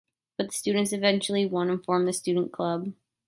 But the students eventually won and formed the student club.